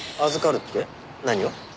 預かるって何を？